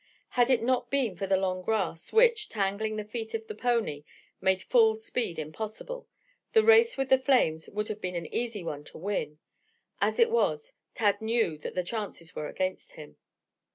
Had it not been for the long grass, which, tangling the feet of the pony, made full speed impossible, the race with the flames would have been an easy one to win. As it was, Tad knew that the chances were against him.